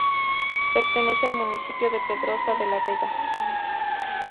Pertenece al municipio de Pedrosa de la Vega.